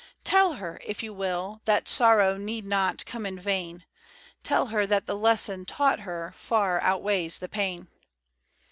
— Tell her, if you will, that sorrow Need not come in vain; Tell her that the lesson taught her Far outweighs the pain.